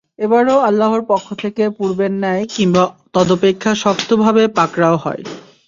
এবারও আল্লাহর পক্ষ থেকে পূর্বের ন্যায় কিংবা তদপেক্ষা শক্তভাবে পাকড়াও হয়।